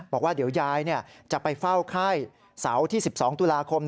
บอกว่าเดี๋ยวยายจะไปเฝ้าไข้เสาร์ที่๑๒ตุลาคม